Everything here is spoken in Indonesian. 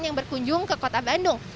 yang bisa menunjukkan kembali ke kota bandung